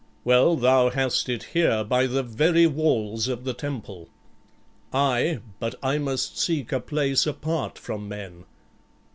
"Well, thou hast it here, by the very walls of the temple." "Aye, but I must seek a place apart from men."